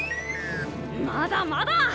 まだまだ！